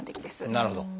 なるほど。